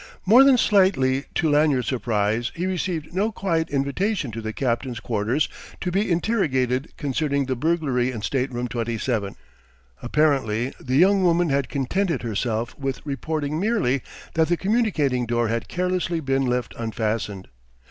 More than slightly to Lanyard's surprise he received no quiet invitation to the captain's quarters to be interrogated concerning the burglary in Stateroom 27. Apparently, the young woman had contented herself with reporting merely that the communicating door had carelessly been left unfastened.